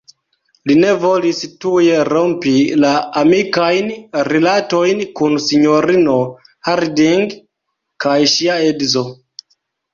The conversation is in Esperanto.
Li ne volis tuj rompi la amikajn rilatojn kun sinjorino Harding kaj ŝia edzo.